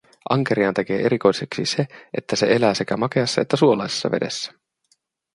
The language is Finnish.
Ankeriaan tekee erikoiseksi se, että se elää sekä makeassa että suolaisessa vedessä.